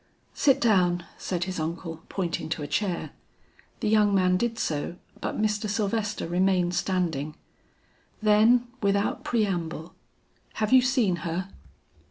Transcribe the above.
"Sit down," said his uncle, pointing to a chair. The young man did so, but Mr. Sylvester remained standing. Then without preamble, "Have you seen her?"